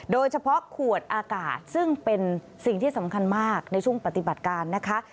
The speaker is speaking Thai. โดยเฉพาะขวดอากาศซึ่งเป็นสิ่งที่สำคัญมากในช่วงปฏิบัติการนะคะ